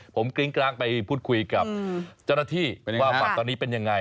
ผมกริ้งกลางไปพูดคุยกับเจ้าหน้าที่ว่าฝัดตอนนี้เป็นยังไง